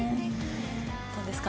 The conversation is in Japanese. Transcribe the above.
どうですか？